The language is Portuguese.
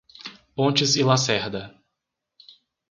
Pontes e Lacerda